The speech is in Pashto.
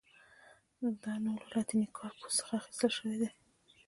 دا نوم له لاتیني «کارپوس» څخه اخیستل شوی دی.